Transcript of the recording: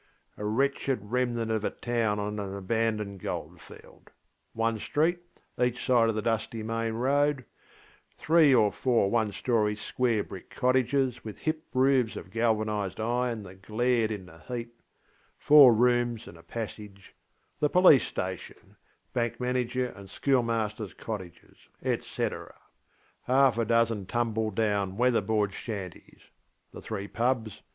A wretched remnant of a town on an abandoned goldfield. One street, each side of the dusty main road; three or four one storey square brick cottages with hip roofs of galvanised iron that glared in the heatŌĆöfour rooms and a passageŌĆöthe police station, bank manager and schoolmasterŌĆÖs cottages, &c. Half a dozen tumble down weather board shantiesŌĆöthe three pubs.